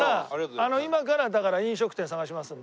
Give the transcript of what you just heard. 今からだから飲食店探しますので。